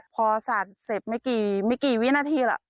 พอสาดเสร็จไม่กี่วินาทีล่ะ